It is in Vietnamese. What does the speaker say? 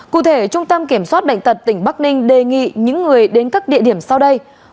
cụ thể trung tâm kiểm soát bệnh tật tỉnh bắc ninh đề nghị những người đến các địa điểm sau đây